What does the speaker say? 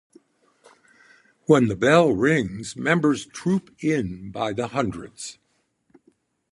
When the bell rings members troop in by the hundreds.